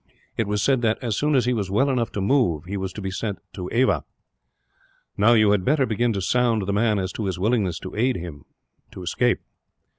It was said that, as soon as he was well enough to move, he was to be sent to Ava. "Now you had better begin to sound the man, as to his willingness to aid him to escape."